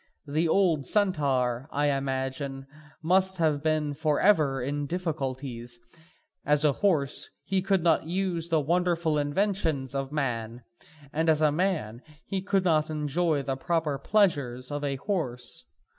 The old centaur, I imagine, must have been for ever in difficulties; as a horse, he could not use the wonderful inventions of man, and as a man, he could not enjoy the proper pleasures of a horse.